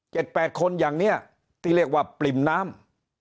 แปดคนอย่างเนี้ยที่เรียกว่าปริ่มน้ำ